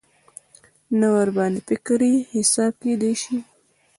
نه ورباندې فکري حساب کېدای شي.